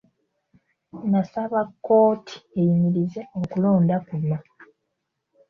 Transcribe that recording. Nasaba kkooti eyimirize okulonda kuno.